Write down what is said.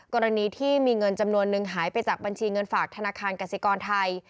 กรณีที่มีเงินจำนวนนึงหายไปจากบัญชีเงินฝากธนาคารกสิกรไทย